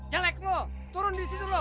jelek lo turun di situ lo